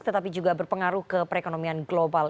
tetapi juga berpengaruh ke perekonomian global